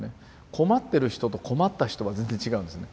「困ってる人」と「困った人」は全然違うんですね。